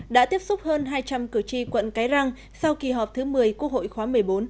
đã tiếp xúc hơn hai trăm linh cử tri quận cái răng sau kỳ họp thứ một mươi quốc hội khóa một mươi bốn